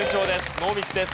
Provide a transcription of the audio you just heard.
ノーミスです。